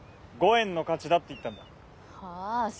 ５円の価値だって言ったんだあぁ